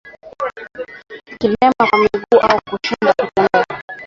Kulemaa kwa miguu au kushindwa kutembea